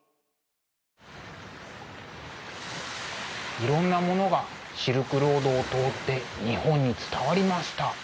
いろんなものがシルクロードを通って日本に伝わりました。